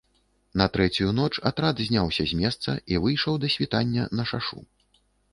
На трэцюю ноч атрад зняўся з месца і выйшаў да світання на шашу.